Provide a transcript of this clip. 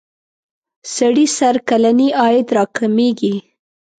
سړي سر کلنی عاید را کمیږی.